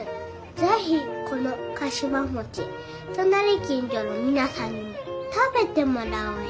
是非このかしわ餅隣近所の皆さんにも食べてもらおおえ。